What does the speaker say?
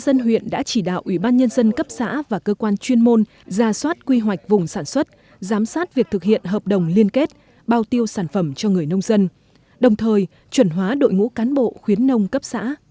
tổ chức ủy ban nhân dân cấp xã và cơ quan chuyên môn ra soát quy hoạch vùng sản xuất giám sát việc thực hiện hợp đồng liên kết bao tiêu sản phẩm cho người nông dân đồng thời chuẩn hóa đội ngũ cán bộ khuyến nông cấp xã